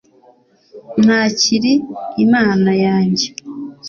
ntakira imana yanjye